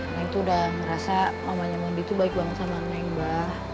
neng tuh udah ngerasa mamanya mundi tuh baik banget sama neng mbak